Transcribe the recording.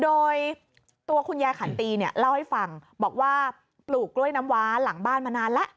โดยตัวคุณยายขันตีเนี่ยเล่าให้ฟังบอกว่าปลูกกล้วยน้ำว้าหลังบ้านมานานแล้ว